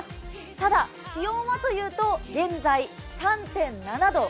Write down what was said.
ただ、気温はというと現在３．７度。